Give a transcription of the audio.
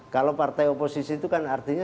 kalau partai oposisi itu kan artinya